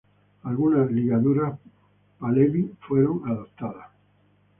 Algunas ligaduras pahlevi fueron adoptadas.